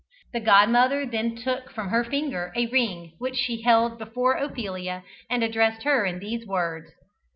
The godmother then took from her finger a ring which she held before Ophelia and addressed her in these words.